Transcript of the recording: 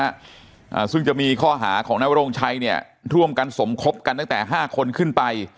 อ่าซึ่งจะมีข้อหาของนายวรงชัยเนี่ยร่วมกันสมคบกันตั้งแต่ห้าคนขึ้นไป